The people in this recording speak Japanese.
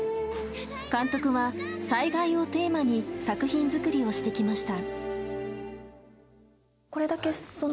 監督は災害をテーマに作品作りをしてきました。